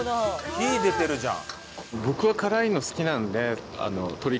火出てるじゃん。